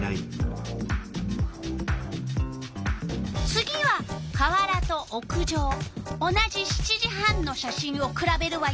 次は川原と屋上同じ７時半の写真をくらべるわよ。